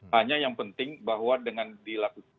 hanya yang penting bahwa dengan diberi kematian ini